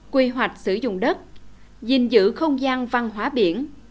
quy hoạch sử dụng đất dình dự không gian văn hóa biển